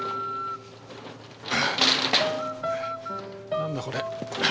何だこれ。